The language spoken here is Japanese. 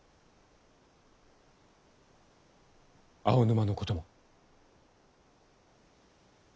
青沼のことも。